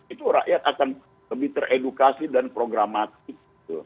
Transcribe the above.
itu rakyat akan lebih teredukasi dan programatik gitu